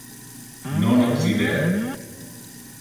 Non occider.